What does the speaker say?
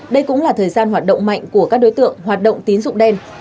đây cũng là thời gian hoạt động mạnh của các đối tượng hoạt động tín dụng đen